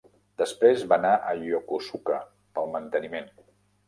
Després va anar a Yokosuka pel manteniment.